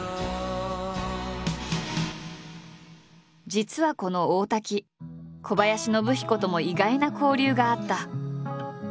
実はこの大滝小林信彦とも意外な交流があった。